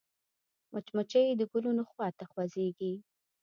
مچمچۍ د ګلونو خوا ته خوځېږي